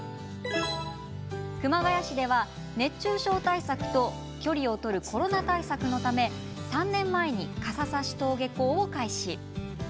熊谷市では熱中症対策と距離を取るコロナ対策のため３年前に傘さし登下校を開始。